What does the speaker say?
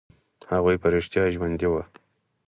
هغوى په رښتيا ژوندي وو.